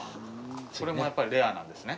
それもやっぱりレアなんですね？